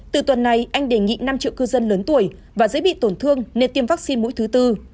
từ tuần này anh đề nghị năm triệu cư dân lớn tuổi và dễ bị tổn thương nên tiêm vaccine mũi thứ tư